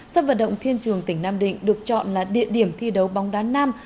sân vận động thiên trường tỉnh nam định được chọn là địa điểm thi đấu bóng đá nam